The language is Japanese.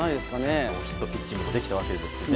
ノーヒットピッチングもできたわけですからね。